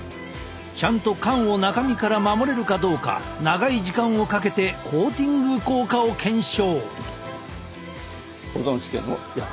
ちゃんと缶を中身から守れるかどうか長い時間をかけてコーティング効果を検証。